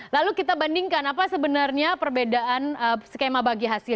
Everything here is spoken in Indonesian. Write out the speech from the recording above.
lalu kita bandingkan apa sebenarnya perbedaan skema bagi hasil